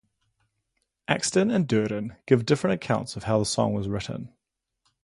Axton and Durden give different accounts of how the song was written.